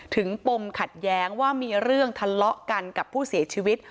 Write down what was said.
ปมขัดแย้งว่ามีเรื่องทะเลาะกันกับผู้เสียชีวิต